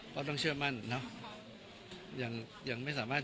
ก็ต้องเชื่อมั่นเนาะ